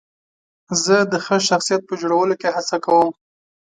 زه د ښه شخصیت په جوړولو کې هڅه کوم.